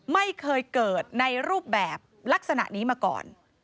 ไม่เคยเกิดในรูปแบบลักษณะนี้มาก่อน